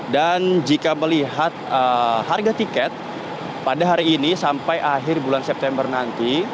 dan jika melihat harga tiket pada hari ini sampai akhir bulan september nanti